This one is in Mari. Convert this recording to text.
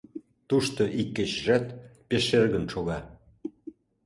Тушто ик кечыжат пеш шергын шога.